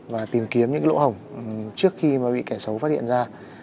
và tìm kiếm những cái lỗ hổng trước khi mà bị kẻ xấu phát hiện ra